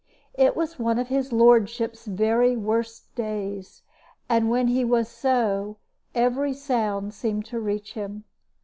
It was one of his lordship's very worst days, and when he was so, every sound seemed to reach him.